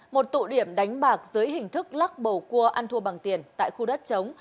một tụ điểm đánh bạc dưới hình thức lắc bầu cua ăn thua bằng tiền tại khu đất chống